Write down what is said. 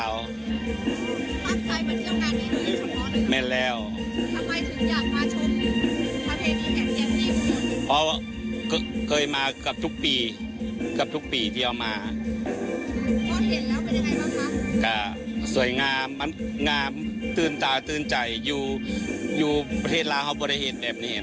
ว่าประเภทนี้อยู่เมืองไทยแนวใดเขาอยากคุยอยากเห็น